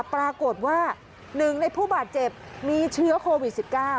ปรากฏว่า๑ในผู้บาดเจ็บมีเชื้อโควิด๑๙